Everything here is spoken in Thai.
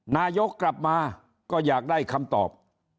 นายกกลับมาก็อยากได้คำตอบ